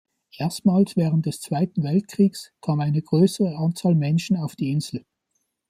Erstmals während des Zweiten Weltkriegs kam eine größere Anzahl Menschen auf die Insel.